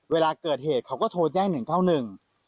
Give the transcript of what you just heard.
เวลาเกิดเหตุเขาก็โทรแจ้ง๑๙๑